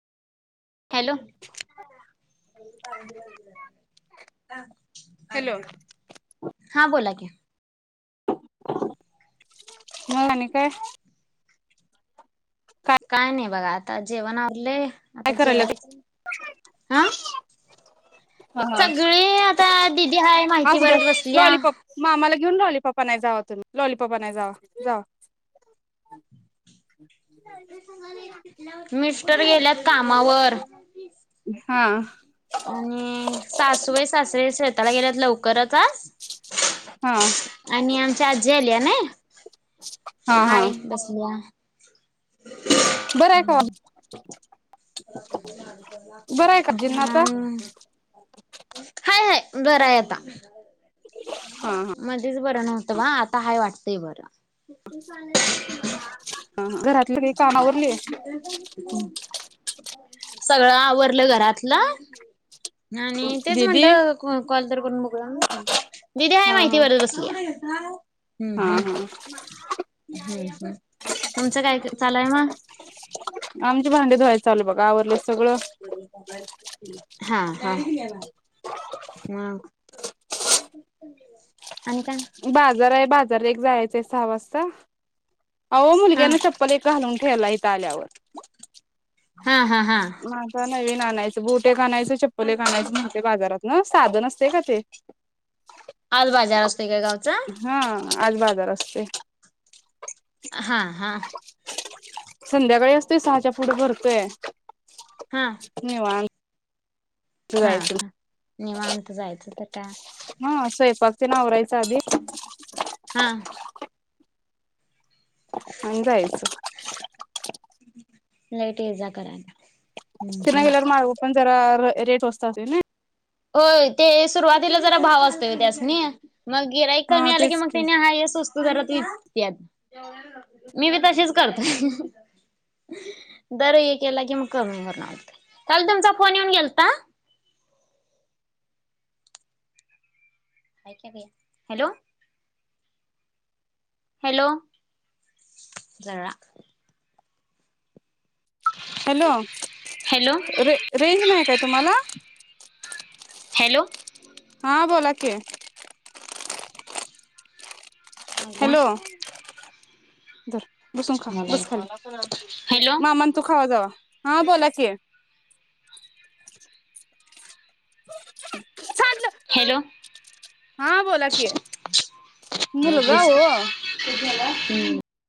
Hello hello हा बोला की. मग आणि काय. काय नाही बघा आता जेवण आवलय. काय आता करायला जेवायचं हा. सगळे आता दिदी हाय माहिती असू द्या [unintelligible] बसल्या लॉलीपॉप [unintelligible] लॉलीपॉप आणायला जावा तुम्ही लॉलीपॉप आणा जावा जावा [inaudible] मिस्टर गेल्या कामावर हा आणि- सासू [unintelligible] [unintelligible] काय हा आणि आ चार्ज झाल्या ना हा हा हाय -बसल्या बरं आहे का [inaudible] बरं आहे का [inaudible] आजींना आता हाय बराय आता हा हा [inaudible] मध्ये बरं नव्हतं ना आता हाय वाटतंय बरं [inaudible] हा घरातली काही काम आवरली सगळं आवरलं घरातलं आणि तेच दीदी म्हटलं [unintelligible] [unintelligible] दिदी हा आहे हा [unintelligible] हम् हा हा हम् तुमचं काय चाललय मग आल बघ आवरलंच [inaudible] हा हा हम् बाजार आहे बाजार एक जायचंय सहा वाजता आहे हा मुलग्याना चप्पल [unintelligible] [unintelligible] इथ आल्यावर हा हा हा माझा नवीन आणायचे बूट [unintelligible] चप्पल [unintelligible] बाजारात म साध नसतंय [unintelligible] आज हा [unintelligible] आज बाजार असतो हा हा संध्याकाळी असतोय सहाच्या पुढ भरतोय हा निवांत हा जायचं ह निवांत जायचं तर का? हा स्वयंपाक ते आवरायचं आधी. हा आणि जायचं. नाही ते ये जा करायला. हम्म ते नाय हम्म गेल्यावर माळव. पण जरा रेट असतात ना. होय ते सुरुवातीला जरा भाव असतोय त्यासनी. मग ग्राहक हा कमी आले की तेच त्यांनी हाय हेना स्वस्त. तू जरा तूच मी बी तशीच करतो जर हे केला की मग कमी करवत काल तुमचा फोन येऊन गेलता हॅलो हॅलो हॅलो हॅलो रे रेंज नायक तुम्हाला हॅलो हा बोला की हाला तर बसून खा बस खाली हॅलो मामान तू खावा जावा हा बोलाकी ण हॅलो हा बोला कि मुलगा हो हम्म